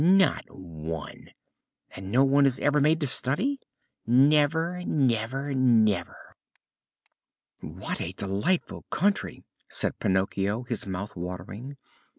"Not one." "And no one is ever made to study?" "Never, never, never!" "What a delightful country!" said Pinocchio, his mouth watering.